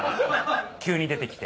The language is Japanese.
急に出てきて。